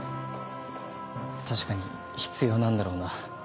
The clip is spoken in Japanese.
確かに必要なんだろうな。